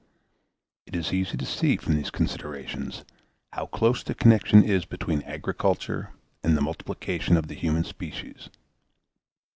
It is easy to see, from these considerations, how close the connection is between agriculture and the multiplication of the human species.